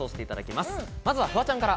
まずはフワちゃんから。